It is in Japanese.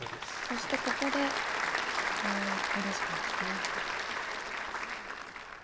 そしてここで考慮時間ですね。